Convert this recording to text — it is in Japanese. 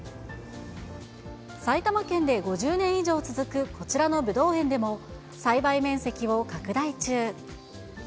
埼玉県で５０年以上続く、こちらのブドウ園でも、栽培面積を拡大中。